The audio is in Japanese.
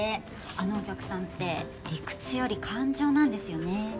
あのお客さんって理屈より感情なんですよね。